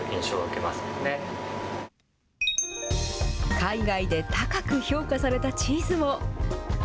海外で高く評価されたチーズも。